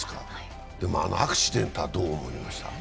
あのアクシデントはどう思いました？